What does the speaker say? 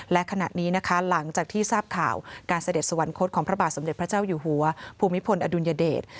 และขณะนี้นะคะหลังจากที่ทราบข่าวการเสด็จสวรรคตของพระบาทสมเด็จพระเจ้าอยู่หัวภูมิพลอดุลยเดช